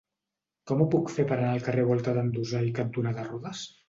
Com ho puc fer per anar al carrer Volta d'en Dusai cantonada Rodes?